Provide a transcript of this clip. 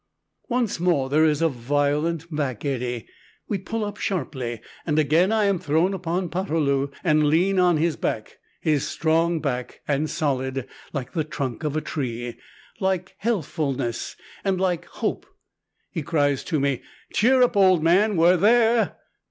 Once more there is a violent back eddy. We pull up sharply, and again I am thrown upon Poterloo and lean on his back, his strong back and solid, like the trunk of a tree, like healthfulness and like hope. He cries to me, "Cheer up, old man, we're there!"